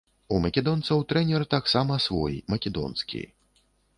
У македонцаў трэнер таксама свой, македонскі.